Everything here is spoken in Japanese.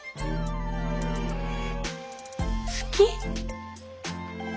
好き。